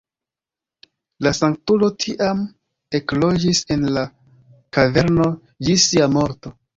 La sanktulo tiam ekloĝis en la kaverno ĝis sia morto.